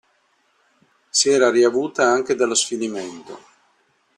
Si era riavuta anche dallo sfinimento.